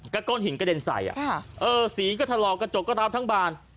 ก็ก้นหินกระเด็นใสอ่ะเออสีก็ทะลอกกระจกก็ราบทั้งบาน